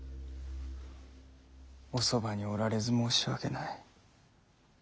おそばにおられず申し訳ない。